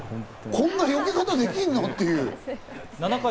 こんな避け方できんの？っていう。